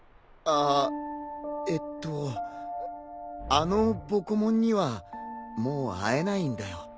あえっとあのボコモンにはもう会えないんだよ。